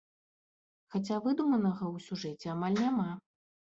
Хаця выдуманага ў сюжэце амаль няма.